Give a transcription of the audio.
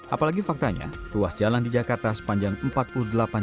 apalagi faktanya ruas jalan di jakarta sepanjang empat tahun